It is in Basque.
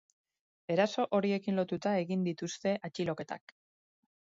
Eraso horiekin lotuta egin dituzte atxiloketak.